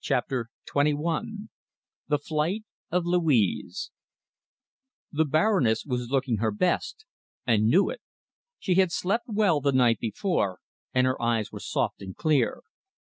CHAPTER XXI THE FLIGHT OF LOUISE The Baroness was looking her best, and knew it. She had slept well the night before, and her eyes were soft and clear.